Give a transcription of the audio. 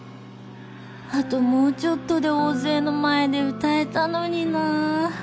あともうちょっとで大勢の前で歌えたのになぁ